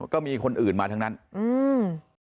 ก็มีคนอื่นมาทั้งนั้นอืม